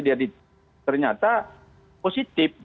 dia ternyata positif